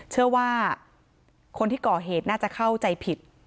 เชื่อว่าคนที่ก่อเหตุน่าจะเข้าใจผิด